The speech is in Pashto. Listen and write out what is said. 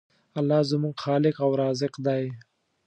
الله زموږ خالق او رازق دی.